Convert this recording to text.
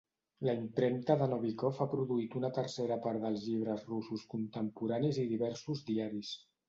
La impremta de Novikov ha produït una tercera part dels llibres russos contemporanis i diversos diaris.